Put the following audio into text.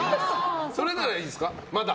それならいいんですか、まだ。